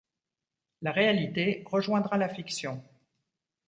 La réalité rejoindra la fiction.